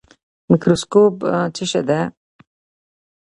مایکروسکوپ څه شی دی؟